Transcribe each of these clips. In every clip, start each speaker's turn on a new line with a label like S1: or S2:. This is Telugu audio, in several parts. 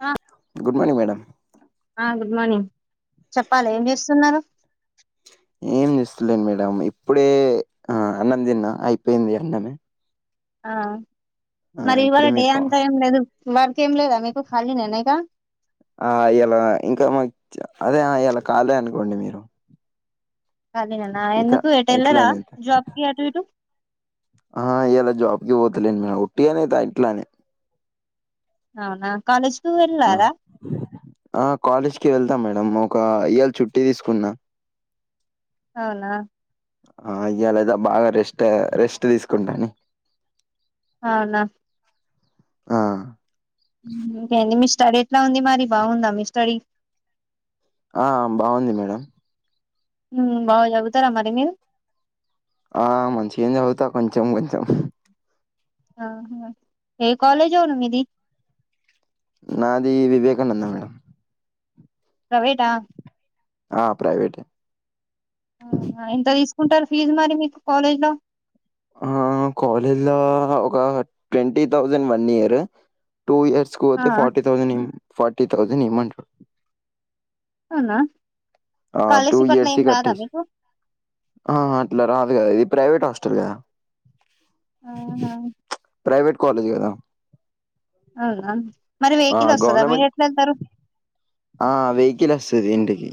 S1: ఆ
S2: గుడ్ మార్నింగ్ మేడం
S1: ఆ గుడ్ మార్నింగ్ చెప్పాలి ఏం చేస్తున్నారు
S2: ఏం చేస్తలేను మేడం ఇప్పుడే ఆ అన్నం తిన్నా అయిపోయింది అన్నమే
S1: ఆ
S2: ఆ
S1: మరి ఇవాళ
S2: ఇప్పుడే
S1: డే
S2: మీరు కా
S1: అంతా ఏం లేదు వర్క్ ఏం లేదా మీకు ఖాళీనేనా ఇక
S2: ఆ ఈయాల ఇంకా మాకు అదే ఇయ్యాల ఖాలే అనుకోండి మీరు
S1: ఖాళీయేనా
S2: ఇక
S1: ఎందుకు ఎటెళ్ళారా
S2: ఇట్లానే
S1: జాబ్‌కి అటు ఇటు
S2: ఆ ఇయాలా జాబ్‌కి పోతలేను మేడం ఒట్టిగనే ఇట్లానే
S1: అవునా కాలేజ్‌కు
S2: ఆ
S1: వెళ్ళరా
S2: ఆ కాలేజ్‌కి వెళ్తాం మేడం ఒక ఇయాల చుట్టి తీసుకున్నా
S1: అవునా
S2: ఆ ఇయ్యాలయితే బాగా రెస్ట్ రెస్ట్ తీసుకుంటాని
S1: అవునా
S2: ఆ
S1: ఉమ్మ్ ఇంకేంది మీ స్టడీ ఎట్లా ఉంది మరి బాగుందా మీ స్టడీ
S2: ఆ బాగుంది మేడం
S1: ఉమ్మ్ బాగా చదువుతారా మరి మీరు
S2: ఆ మంచిగానే చదువుతా కొంచెం కొంచెం
S1: ఆహ ఏ కాలేజ్ అవును మీది
S2: నాది వివేకానంద మేడం
S1: ప్రైవేటా
S2: ఆ ప్రైవేటే
S1: ఆ ఎంత తీసుకుంటారు ఫీజు మరి మీకు కాలేజ్‌లో
S2: ఆ కాలేజ్‌లో ఒక twenty thousand one year two years కు
S1: ఆ
S2: పోతే ఫార్టీ థౌజండ్ ఇం ఫార్టీ థౌజండ్ ఇమంటారు
S1: అవునా
S2: ఆ టూ
S1: స్కాలర్షిప్ అట్లా
S2: ఇయర్స్
S1: ఏం రాదా
S2: కట్టేసి
S1: మీకు
S2: ఆహా అట్లా రాదు కదా ఇది ప్రైవేట్ హాస్టల్ కదా
S1: ఆహా
S2: ప్రైవేట్ కాలేజ్ కదా
S1: అవునా మరి
S2: ఆ!
S1: వెహికల్ వస్తాదా మీరు
S2: గవర్నమెంట్
S1: ఎట్లా ఎళ్తారు
S2: ఆ వెహికల్ వస్తది ఇంటికి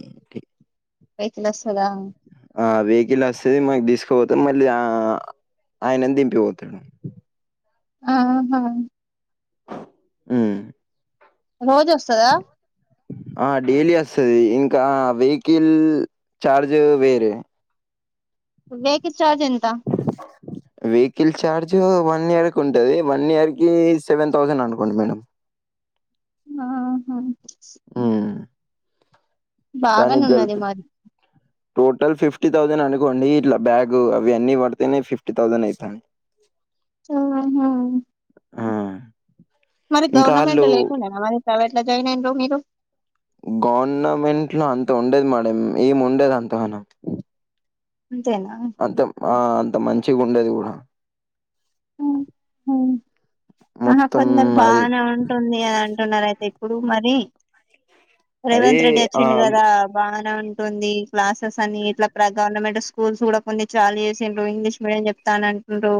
S1: వెహికల్ వస్తదా
S2: ఆ వెహికల్ వస్తది మాకు తీసుకుపోతం మళ్ళీ ఆ ఆయనని దింపిపోతాడు
S1: ఆహా
S2: ఉమ్మ్
S1: రోజు వస్తదా
S2: ఆ డైలీ వస్తది ఇంకా వెహికల్ చార్జ్ వేరే
S1: వెహికిల్ చార్జ్ ఎంత
S2: వెహికల్ ఛార్జ్ వన్ ఇయర్‌కి ఉంటది వన్ ఇయర్‌కి సెవెన్ థౌసండ్ అనుకోండి మేడం
S1: ఆహా
S2: ఊ
S1: బాగానే
S2: దానికి
S1: ఉన్నది
S2: గల్పి
S1: మరి
S2: టోటల్ ఫిఫ్టీ థౌజండ్ అనుకోండి ఇట్లా బ్యాగు అవి అన్నీ పడితేనే ఫిఫ్టీ థౌసండ్ అయితంది
S1: ఆహా
S2: ఆ!
S1: మరి
S2: ఇంకా
S1: గవర్నమెంట్
S2: ఆళ్ళు
S1: లేకుండా నా మరి ప్రైవేట్ ల జయిన్ అయిండ్రు మీరు
S2: గవర్నమెంట్ ల అంత ఉండేది మేడం ఏం ఉండది అంతగనం
S1: అంతేనా
S2: అంత ఆ అంత మంచిగా ఉండది కూడా
S1: హా
S2: మొత్తం
S1: కొందరు
S2: అది.
S1: బానే ఉంటుంది అని అంటున్నారు అయితే ఇప్పుడు మరి
S2: అదే
S1: రేవంత్ రెడ్డి వచ్చిండు
S2: ఆహ్,
S1: కదా బాగానే ఉ టుంది క్లాసెస్ అని ఇట్లా ప్ర గవర్నమెంట్ స్కూల్స్ కూడా కొన్ని చాలనే చేసిల్లు ఇంగ్లీష్ మీడియం చెప్తానం ఉంటో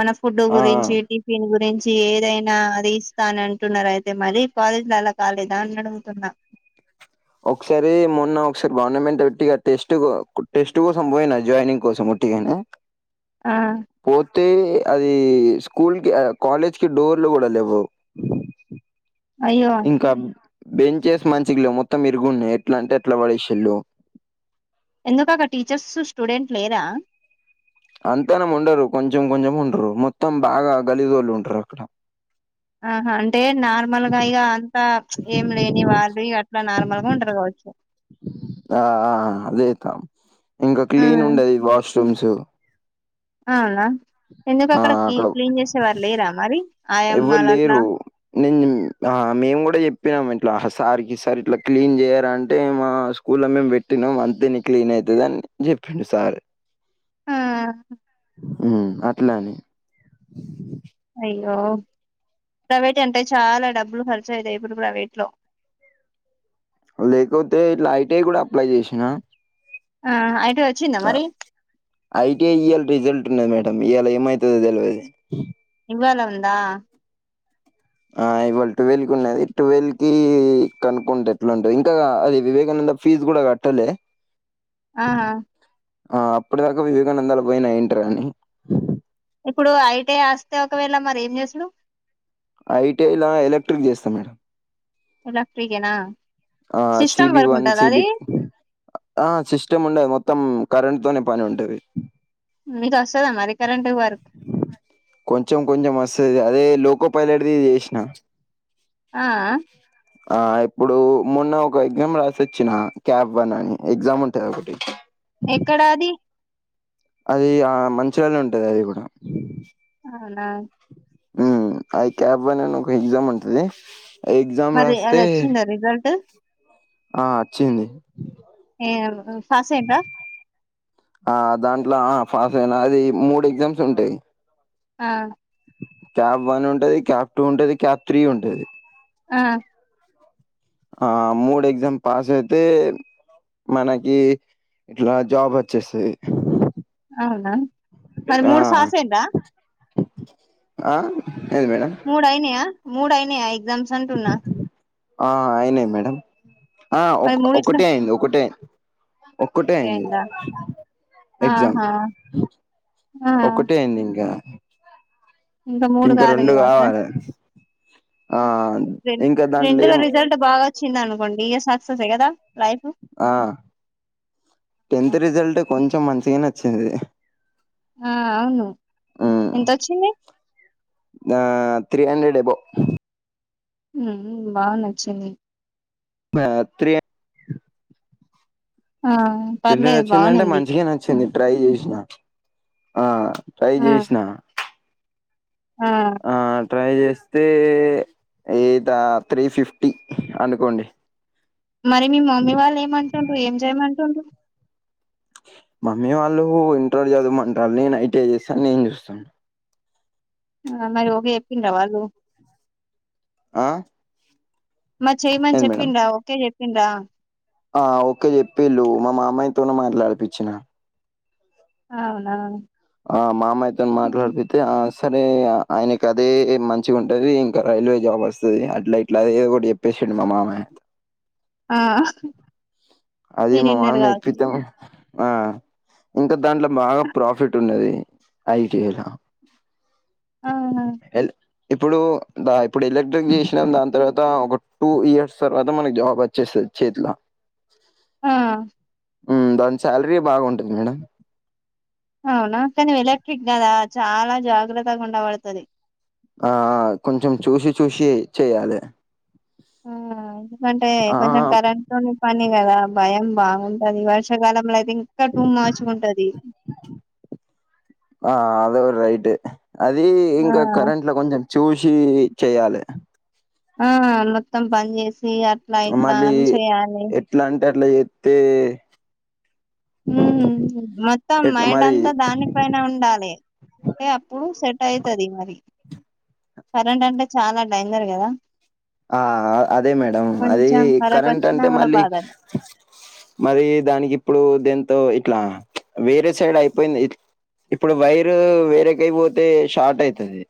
S1: మన ఫుడ్
S2: ఆ!
S1: గురించి టిఫిన్ గురి చి ఏదైనా అది ఇస్తా అని అంటున్నారు. అయితే మరి పాలిట్లు అలా కాలేదా అని అడుగుతున్నా.
S2: ఒకసారి మొన్న ఒకసారి గవర్నమెంట్ పెట్టిగా టెస్ట్ టెస్ట్ కోసం పోయిన జాయినింగ్ కోసం టిగనే
S1: ఆ
S2: పోతే అది స్కూల్ కి ఆ కాలేజ్ కి డోర్లు కూడా లేవు
S1: అయ్యో
S2: ఇంకా బెంచేస్ మంచిగా లేవ్ మొత్తం మిరుగున్నాయి ఎట్లా అంటే అట్లా పడేసిల్లు
S1: ఎందుకు అక్కడ టీచర్స్ స్టూడెంట్ లేరా
S2: అంతగనం ఉండరు కొంచెం కొంచెం ఉంటరు మొత్తం బాగా గలిజోళ్ళు ఉంటరు అక్కడ.
S1: ఆహా అంటే నార్మల్గా ఇగ అంత ప్చ్ ఏం లేని వాళ్ళు ఇగ అట్లా నార్మల్ గా ఉంటారు కావచ్చు.
S2: ఆ ఆ అదే తాం ఇంకా
S1: ఆ
S2: క్లీన్ ఉండది వాష్రూమ్స్
S1: అ ఆ ఎందుకు
S2: ఆ
S1: అక్కడ క్లీ క్లీన్ చేసేవారు లేరా మరి ఆయమ్మలు అట్లా
S2: ఎవ్వరులేరు నేను ఉం ఆ మేము కూడా చెప్పినాము ఇట్లా సార్కి సార్ ఇట్లా క్లీన్ చేయార అంటే మా కు ళ మేము పెట్టినాం అంతే ని క్లీన్ అవుతుంది అని చెప్పిండు సార్
S1: ఆ
S2: ఉ అట్లని
S1: అయ్యో ప్రైవేట్ అంటే చాలా డబ్బులు ఖర్చయితాయి ఇప్పుడు ప్రైవేట్ లో
S2: లేకపోతే ఇట్ల ఐటిఐ కూడా అప్లై చేసిన
S1: ఆహా అయితే వచ్చిందా మరి
S2: ఐటీఎ ఇవాళ రిజల్ట్ ఉన్నది మేడం ఇవాళ ఏమవుతుందో తెలియదు
S1: ఇవ్వాల ఉందా
S2: ఆ ఇవాళ టువెల్వ్ కి ఉన్నది టువెల్ కి కనుక్కుంటా ఎట్లా ఉంటది ఇంకా అది వివేకానంద ఫీజు కూడా కట్టలే
S1: ఆహా
S2: ఆ అప్పడిదాకా వివేకానందాల పోయినాయంట్రని
S1: ఇప్పుడు ఐతే ఆస్తే ఒకవేళ మరి ఏం చేసుడు
S2: ఐటీఐ లా ఎలక్ట్రిక్ చేస్తాం మేడం
S1: ఎలక్ట్రిషన్ ఆ
S2: ఆ సిబివన్ సిబిట్ ఆ సిస్టమ్ ఉండది మొత్తం కరెంట్ తోనే పని ఉంటది
S1: మీకు వస్తదా మరి కరెంట్ వర్క్
S2: కొంచెం కొంచెం వస్తది అదే లోకో పైలట్ గా చేసిన
S1: ఆ
S2: ఆ ఇప్పుడు మొన్న ఒక ఎగ్జామ్ రాసోచ్చినా క్యాప్ వన్ అని ఎగ్జామ్ ఉంటాది ఒకటి
S1: ఎక్కడా అది
S2: అది ఆ మంచిగానే ఉంటది అది కూడా
S1: అవునా
S2: ఉమ్ ఆ క్యాబ్ వన్ అని ఒక ఎగ్జామ్ ఉంటది ఆ ఎగ్జామ్
S1: మరి అది
S2: రాస్తే
S1: వచ్చిందా రిజల్ట్
S2: ఆ వచ్చింది
S1: ఏం పాస్ అయిన్రా
S2: ఆ దాంట్లో ఆ పాస్ అయినా అది మూడు ఎగ్జామ్స్ ఉంటాయి
S1: ఆ
S2: క్యాబ్ వన్ ఉంటది క్యాప్ టూ ఉంటది క్యాప్ త్రీ ఉంటది
S1: ఆ
S2: ఆ మూడు ఎగ్జామ్ పాస్ అయితే మనకి ఇట్లా జాబ్ వచ్చేస్తది
S1: అవునా మరి
S2: ఆ
S1: మూడు పాస్ అయిండ్రా
S2: ఆ ఏంది మేడం
S1: మూడు అయినియా మూడు అయినియా ఎగ్జామ్స్ అంటున్నా
S2: ఆ అయినాయి మేడం ఆ
S1: మరి మూడిట్లో
S2: ఒకటే అయింది ఒకటే ఒక్కటే
S1: ఒకటే
S2: అయింది
S1: అయిందా
S2: ఎగ్జామ్
S1: ఆహా ఆ
S2: ఒకటే అయింది ఇంకా ఇంకా రెండు కావాలే
S1: రెండు
S2: దాంట్లో
S1: రెండుల
S2: ఏం
S1: రిజల్ట్ బాగా వచ్చింది అనుకోండి ఇక సక్సెస్ ఏ కదా లైఫ్
S2: ఆ టెన్త్ రిజల్ట్ కొంచెం మంచిగానే వచ్చింది
S1: ఆ అవును
S2: ఉమ్
S1: ఎంత వచ్చింది
S2: ఆ త్రీ హండ్రెడ్ ఎబో
S1: ఉమ్ బానే నచ్చింది
S2: మా అ త్రీ
S1: ఆ
S2: చిల్
S1: పర్లేదు
S2: నచ్చిందంటే
S1: బానుంది.
S2: మంచిగా నచ్చింది ట్రై చేసిన ఆ ట్రై
S1: ఆ
S2: చేసిన
S1: ఆ
S2: ఆ ట్రై చేస్తే ఏ త్రీ ఫిఫ్టీ అనుకోండి
S1: మరి మీ మమ్మీ వాళ్ళు ఏమంటుండ్రు ఏం చేయమంటుండ్రారు
S2: మమ్మీ వాళ్ళు ఇంటర్ చదవమంటారుని నేను ఐటిఐ చేస్తాని నేను చూస్తాను
S1: మరి ఒకే చెప్పిందరా వాళ్ళు
S2: ఆ
S1: మరి చెయ్యమని
S2: ఏంది మేడం
S1: చెప్పిండ ఓకే చెప్పిండ్రా
S2: ఆ ఓకే చెప్పిళ్ళు మా మామయ్య తోన మాట్లాడిడిచ్చిన
S1: అవునా
S2: ఆ మామాయతో
S1: ఆ!
S2: మాట్లాడిపితే ఆ సరే ఆయనకి అదే మంచిగా ఉంటది ఇంకా రైల్వే జాబ్ వస్తుంది అట్లైట్లా కూడి ఎప్పే చేమ మా మమయ్యు
S1: ఆ
S2: అది మా
S1: మీరిన్నరు
S2: మామయ్య
S1: కావచ్చు.
S2: ప్రీతం ఆ ఇంకా దాంట్లో బాగా ప్రాఫిట్ ఉన్నది ఐటీఐ లా
S1: ఆహా!
S2: ఎ ఇప్పుడు దా ఇప్పుడు ఎలక్ట్రిక్ చేసినాం దాని తర్వాత ఒక టూ ఇయర్స్ తర్వాత మనకి జాబ్ వచ్చేస్తుంది చేతిల
S1: ఆహ్
S2: దాని సాలరీ బాగా ఉంటుంది మేడం
S1: అవునా కానీ ఎలక్ట్రిక్ కదా చాలా జాగ్రత్తగా ఉండబడుతుంది
S2: ఆ కొంచెం చూసి చూసి చెయ్యాలి
S1: ఆ ఎందుకంటే
S2: ఆ
S1: కొంచెం కరెంట్ నతొ పని కదా భయం బాగుంటది వర్షాకాలంలో అయితే ఇంకా టూమచ్చగా ఉంటది
S2: ఆ అదో రైట్ అది ఇంకా
S1: ఆ!
S2: కరెంట్ లో కొంచెం చూసి చెయాలి
S1: ఆ మొత్తం పని చేసి అట్లా ఇట్లా
S2: మళ్ళీ
S1: అని చేయాలి
S2: ఎట్లా అంటే అట్లా చెత్తే
S1: ఉ మొత్తం మైండ్
S2: మరి
S1: అంతా దానికె పైనా ఉండాలి అంటే అప్పుడు సెట్ అయితది మరి కరెంట్ అంటే చాలా డెంజర్ కదా
S2: ఆ అదే మేడం అది
S1: కొంచెం కళకు
S2: కరెంట్
S1: వచ్చినా
S2: అంటే
S1: కూడా
S2: మళ్ళీ
S1: బాధనే
S2: మరి దానికి ఇప్పుడు దీంతో ఇట్లా వేరే సైడ్ అయిపోయింది ఇప్పుడు వైరు వేరేకయి పోతే షార్ట్ అయితది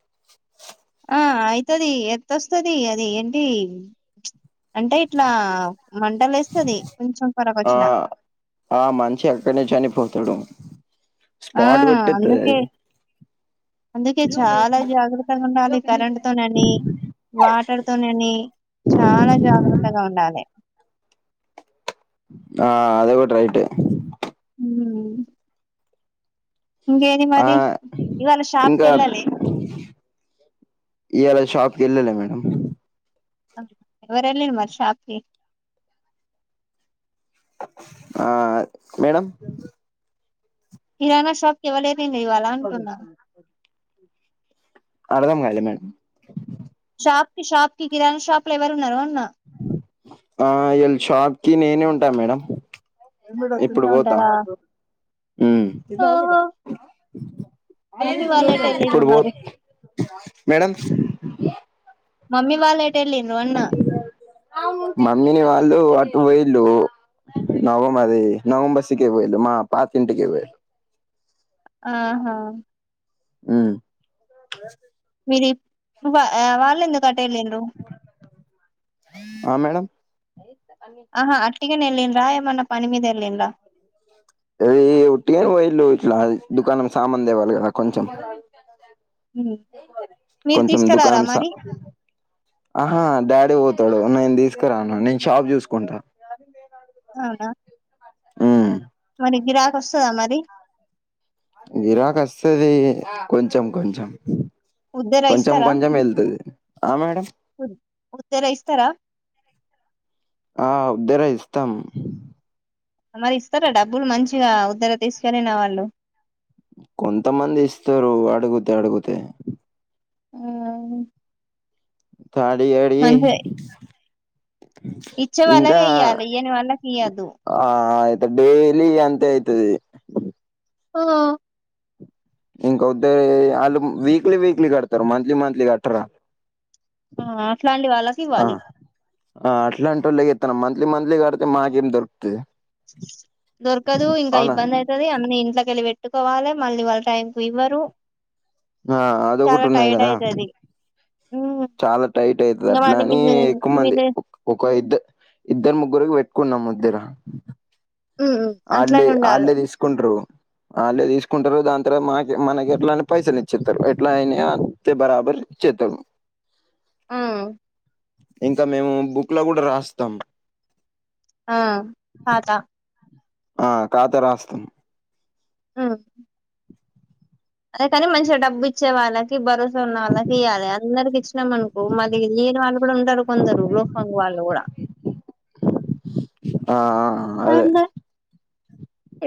S1: ఆ అయితది ఎట్లొస్తది అది అది ఏంటి అంటే ఇట్లా మంటలు లేస్తది కొంచెం కొరకు
S2: ఆ
S1: వచ్చిన
S2: ఆ మనిషి అక్కడ్నె చనిపోతాడు
S1: ఆ
S2: స్పాట్ కొట్టి అది
S1: అందుకే అందుకే చాలా జాగ్రత్తగా ఉండాలి కరెంట్ తోనని వాటర్ తోని చాలా జాగ్రత్తగా ఉండాలి
S2: ఆ అది కూడా రైటే
S1: హ్మ్
S2: ఆ
S1: మరి ఇవాళ షాప్ కి
S2: ఇంకా
S1: వెళ్ళాలి
S2: ఇయలా షాప్ ఏళ్ళల మేడం
S1: ఎవరెల్లరు మళ్ళీ షాపుకి
S2: ఆ మేడం
S1: ఇయ్యాల షాపుకి ఎవరెల్లరు అంటున్నా
S2: అర్థం కాల మేడం
S1: షాప్ కి షప్ కి కిరాణ షాప్ లో ఎవరు ఉన్నారు అన్నా
S2: ఆ ఇవళ షాప్ కి నేనే ఉంటాను మేడం ఇప్పుడు
S1: మీరే
S2: పోతా
S1: ఉంటారా
S2: ఉ
S1: ఓహో మమ్మీ
S2: ఏంది
S1: వాళ్ళు
S2: వెళ్ళినారా
S1: ఎటు
S2: షాప్ కి,
S1: వెళ్ళిరు
S2: ఇప్పుడు పోత
S1: మరి
S2: మేడం
S1: మమ్మీ వాల్లు ఎట్టెలిండ్రూ అన్
S2: మమ్మీని వాళ్ళు అటు పొయుళు్లు నవమ అది నవం బసికి పో ఇలు మా పాతింటికే పోయ
S1: ఆహా
S2: హ్మ్
S1: మీరు వాలెందుకు అట్లెలిండ్రు
S2: ఆ మేడం ్
S1: ఆహా అట్టిగనే ఎల్లిడ్ర ఎమన్న పని మీద ఎల్లిండ్ర
S2: అది ఒట్టిగానే పొయిండ్రు ఇట్లా దుకాణం సామానులు తేవలి కదా కొంచెం
S1: మీరు
S2: కొంచెం
S1: తీసుకురారా
S2: దుకాణంస
S1: మరి
S2: ఆహా డాడీ పోతాడు నేను తీసుకురాను నేను షాప్ చూసుకుంటా
S1: అవునా
S2: ఉమ్
S1: మరి గిరాకి వస్తాద మరి
S2: గీరాకి వస్తది కొంచెం కొంచెం
S1: ఉద్దర
S2: కొంచెం
S1: ఇస్తారా
S2: కొంచెం వెళ్తుది ఆ మేడం
S1: ఉద్దెర ఇస్తారా
S2: ఆ ఉద్దరే ఇస్తాం
S1: మరి ఇస్తారా డబ్బులు మంచిగా ఉద్దెర తీసుకెళ్ళిన వాళ్ళు
S2: కొంతమంది ఇస్తారు అడిగుతే అడిగుతే
S1: ఆ
S2: థాడి అడి అయి
S1: ఇచ్చే వాళ్ళవే ఇయ్యాలి ఇయని వాళ్ళకి ఇయ్వద్దు.
S2: ఆ ఆతే డైలీ అంతే అయితది
S1: ఆ.
S2: ఇంకొద్ద్ వాళ్ళు వీక్లీ వీక్లీ కడతారు మంత్లీ మంత్లీ కట్టరు వాళ్లు.
S1: ఆ అట్లాంటి వాళ్ళకి
S2: ఆ
S1: ఇవ్వాలి.
S2: ఆ అట్లాంటోలే ఇత్తనం మంత్లీ మంత్లీ కడితే మాకేం దొరుకుతది
S1: దొరకదు ఇంకా
S2: అవునా
S1: ఇబ్బంది అవుతది అన్ని ఇంట్లకెళ్ళి పెట్టుకోవాలి మళ్ళీ వాళ్ళ టైం. ఇవ్వరు.
S2: ఆ
S1: చాలా
S2: అదొకటున్నది
S1: టైర్డ్
S2: కదా
S1: అయితది ఉమ్
S2: చాలా టైట్ అయితది
S1: ఇంకా
S2: అట్లా
S1: మళ్ళీ
S2: అని
S1: మీది
S2: ఎక్కువ మంది
S1: మీది
S2: ఒక ఇద్దరు ఇద్దరు ముగ్గురికి పెట్టుకున్నాము ఉద్దెర
S1: ఉమ్
S2: అల్లే
S1: అట్లనే ఉండాలి
S2: అల్లే తీసుకుంటారు. అల్లే తీసుకుంటారో దాని తర్వాత మాకే మనకే ఎట్లైనా పైసలు ఇచ్చేస్తారు ఎట్లైనైయ అయితే బరాబర్ ఇచ్చేతరు
S1: ఆ.
S2: ఇంకా మేము బుక్ లో కూడా రాస్తాం
S1: ఆ ఖాతా
S2: ఆ ఖాత రాస్తాం
S1: ఆ అదేకానీ మంచి గా డబ్ ఇచ్చే వాళ్ళకి భరోసా ఉన్న వాళ్ళకి ఇయ్యాలే. అందరికి ఇచ్చినాం అనుకో మళ్లీ లేని వాళ్ళు కూడా ఉంటారు కొందరు అంగ్ వాలు కూడా
S2: ఆ ఆ అదే
S1: అట్లా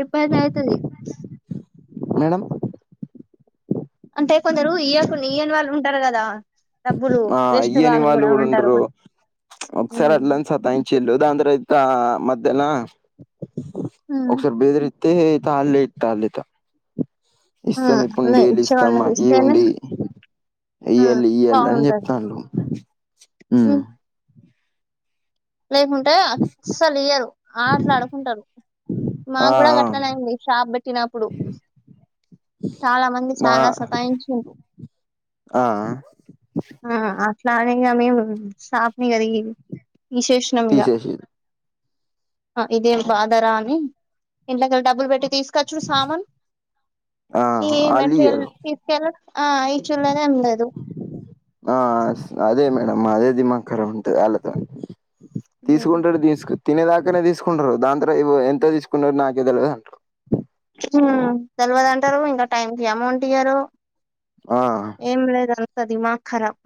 S1: ఇబ్బంది అయితది
S2: మేడం.
S1: అంటే కొందరు ఇయ్యకున్ ఈయని వాళ్ళు ఉంటారు కదా
S2: ఆ ఇయ్యని వాళ్ళు కూడా ఉంటారు ఒకసారి అట్లనే సతాయిం ఇచిండు ఒకసారి బెదిరిచ్చిండు దాని తర్వాత మధ్యల ఒకసారి బెదిరి తే తలెత్తలు ఎగ
S1: ఆ
S2: ఇస్తాం
S1: అదే
S2: ఇప్పుడుండేళ్లు డైలీ ఇస్తాం
S1: ఇచ్చేవాళ్ళకి
S2: మాకి ఈ
S1: ఇస్తేనే
S2: ఉండి ఇయ్యల్ళ ఇయ్యళ అని
S1: బాగుంటది
S2: చెప్తండ్లు ఉమ్
S1: లేకుంటే అసలు ఇయ్యర్ ఆటలు ఆడుకుంటారు.
S2: ఆ
S1: మాకు కూడా
S2: ఆ
S1: గాట్లనే అయింది షాప్ పెట్టినప్పుడు చాలా మంది
S2: నా
S1: చాలా సతాయించిండ్లు
S2: ఆ
S1: ఆ అట్లనే ఇగ మేము షాప్ ఇగ తి తీసేసినం ఇగ
S2: తీసేసిర్రు
S1: ఆ ఇదేం బాధరా అని ఇంట్లోకెలి డబ్బులు పెట్టి తీసుక్ కోవచ్చు సామాన్
S2: ఆ
S1: ఈ మెటీరియల్
S2: ఆళ్ళియ్యరు
S1: ఈ కేల్ ఆ ఇచ్చుడులేదు ఏం లేదు
S2: ఆ స్ అదే మేడంమ్ అదే దిమాక్ ఖరాబ్ ఉంటది అళ్ళతోని
S1: లేదు
S2: తీసుకుంటారు తీసుక్ తినేదాకానే తీసుకుంటారు దాని తర్వాత ఏవో ఎంతో తీసుకునో నాకే తెలవదంటరు
S1: ఉ తెలవదంటరు ఇంకా టైం కి అమౌంట్ ఇయ్యరు
S2: ఆ
S1: ఏం లేదు అంత దిమాక్ ఖరాబ్